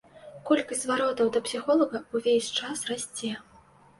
Колькасць зваротаў да псіхолага ўвесь час расце.